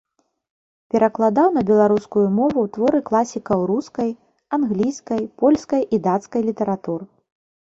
Перакладаў на беларускую мову творы класікаў рускай, англійскай, польскай і дацкай літаратур.